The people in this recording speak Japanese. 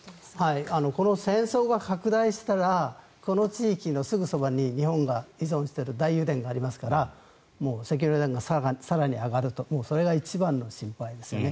この戦争が拡大したらこの地域のすぐそばに日本が依存している大油田がありますから石油の値段が更に上がるとそれが一番の心配ですね。